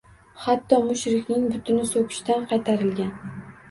Hatto mushrikning butini so‘kishdan qaytarilgan